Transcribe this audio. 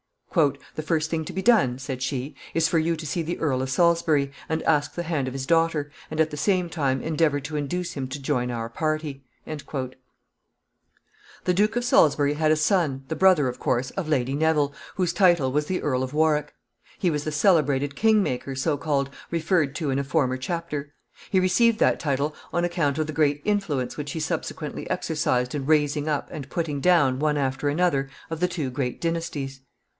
[Sidenote: Lady Neville's father.] "The first thing to be done," said she, "is for you to see the Earl of Salisbury and ask the hand of his daughter, and at the same time endeavor to induce him to join our party." [Sidenote: The Earl of Salisbury.] The Earl of Salisbury had a son, the brother, of course, of Lady Neville, whose title was the Earl of Warwick. He was the celebrated king maker, so called, referred to in a former chapter. He received that title on account of the great influence which he subsequently exercised in raising up and putting down one after another of the two great dynasties.